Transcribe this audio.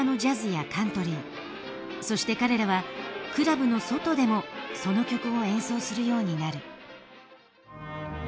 そして彼らはクラブの外でもその曲を演奏するようになる。